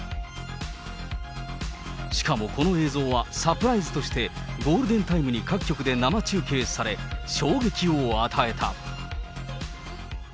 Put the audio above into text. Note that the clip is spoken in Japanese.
しかもこの映像はサプライズとして、ゴールデンタイムに各局で生中継され、衝撃を与えた。